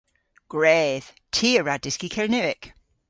Gwredh. Ty a wra dyski Kernewek.